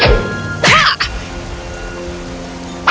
tidak hanya menyahut nutman